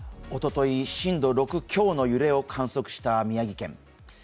おととい震度６強の揺れを観測した宮城県。